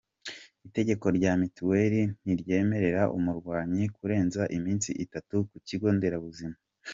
Itegeko rya mitiweli ntiryemerera umurwayi kurenza iminsi itatu ku kigo nderabuzima.